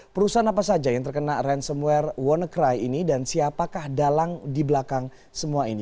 perusahaan apa saja yang terkena ransomware wannacry ini dan siapakah dalang di belakang semua ini